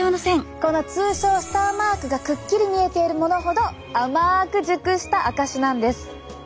この通称スターマークがくっきり見えているものほど甘く熟した証しなんです。